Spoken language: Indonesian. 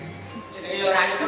jadi lu ranyu lu ranyu